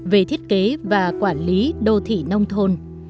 về thiết kế và quản lý đô thị nông thôn